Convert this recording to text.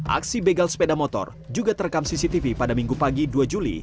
aksi begal sepeda motor juga terekam cctv pada minggu pagi dua juli